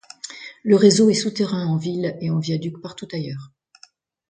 Le réseau est souterrain en ville et en viaduc partout ailleurs.